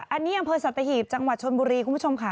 อันนี้อำเภอสัตหีบจังหวัดชนบุรีคุณผู้ชมค่ะ